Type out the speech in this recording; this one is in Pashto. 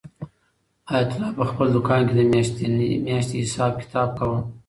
حیات الله په خپل دوکان کې د میاشتې حساب کتاب کاوه.